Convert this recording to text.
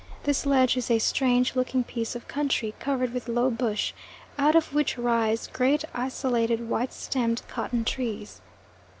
This ledge is a strange looking piece of country, covered with low bush, out of which rise great, isolated, white stemmed cotton trees.